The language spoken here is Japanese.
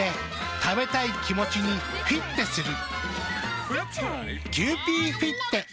食べたい気持ちにフィッテする。